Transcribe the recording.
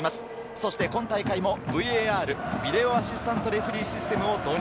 そして今大会もＶＡＲ＝ビデオ・アシスタント・レフェリーシスレムを導入。